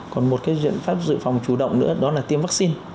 còn một cái biện pháp dự phòng chủ động nữa đó là tiêm vaccine